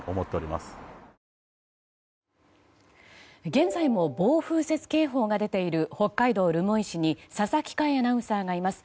現在も暴風雪警報が出ている北海道留萌市に佐々木快アナウンサーがいます。